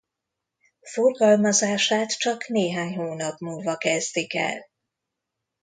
Forgalmazását csak néhány hónap múlva kezdik el.